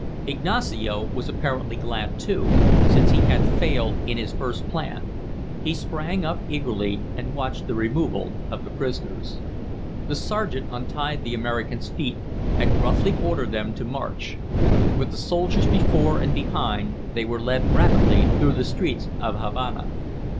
Ignacio was apparently glad, too, since he had failed in his first plan. He sprang up eagerly and watched the removal of the prisoners. The sergeant untied the Americans' feet and gruffly ordered them to march. With the soldiers before and behind they were led rapidly through the streets of Havana.